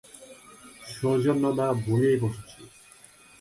সৌজন্যতা ভুলতেই বসেছি।